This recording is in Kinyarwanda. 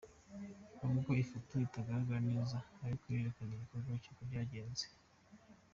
N'ubwo ifoto itagaragara neza ariko irerekana igikorwa uko cyagenze.